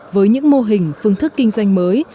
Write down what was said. với những mô hình phương thức kinh doanh mới